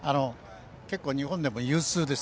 結構日本でも有数です。